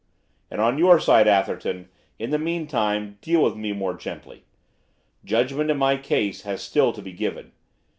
And on your side, Atherton, in the meantime, deal with me more gently. Judgment in my case has still to be given.